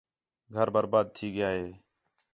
گھر برباد تھی ڳیا ہے